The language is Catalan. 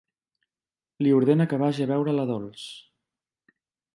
Li ordena que vagi a veure la Dols.